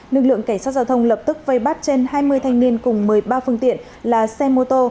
lực lượng cảnh sát giao thông lập tức vây bắt trên hai mươi thanh niên cùng một mươi ba phương tiện là xe mô tô